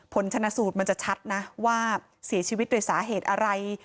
ผลชนะสูตรมันจะชัดนะว่าเสียชีวิตโดยสาเหตุอะไร